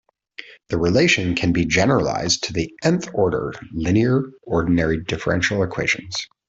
The relation can be generalised to "n"th-order linear ordinary differential equations.